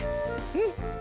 うん。